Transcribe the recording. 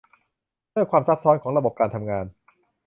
ด้วยความซับซ้อนของระบบการทำงาน